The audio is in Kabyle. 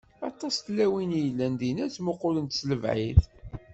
Aṭas n tlawin i yellan dinna, ttmuqulent si lebɛid.